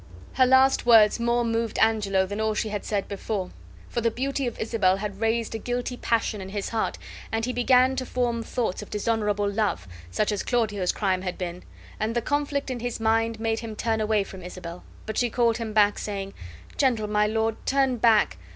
Her last words more moved Angelo than all she had before said, for the beauty of Isabel had raised a guilty passion in his heart and he began to form thoughts of dishonorable love, such as Claudio's crime had been, and the conflict in his mind made him to turn away from Isabel; but she called him back, saying: "Gentle my lord, turn back.